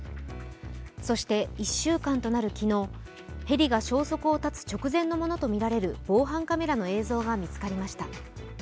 そして１週間となる昨日ヘリが消息を絶つ直前のものとみられる防犯カメラの映像が見つかりました。